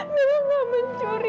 kenapa kamu mencuri